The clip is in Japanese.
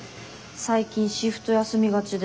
最近シフト休みがちで。